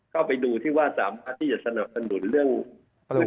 เข้าไปดูที่ว่าสามารถที่จะสนับสนุนเรื่อง